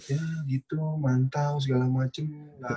ya gitu mantau segala macam